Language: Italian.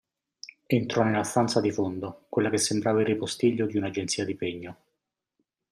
Entrò nella stanza di fondo, quella che sembrava il ripostiglio di un'agenzia di pegno.